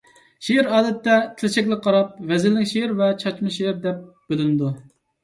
شېئىر ئادەتتە تىل شەكلىگە قاراپ ۋەزىنلىك شېئىر ۋە چاچما شېئىر دەپ بۆلۈنىدۇ.